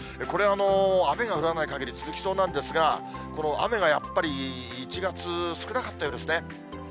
これ、雨が降らないかぎり続きそうなんですが、この雨がやっぱり、１月、少なかったようですね。